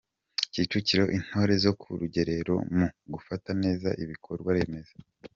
Kicukiro Intore zo ku rugerero mu gufata neza ibikorwaremezo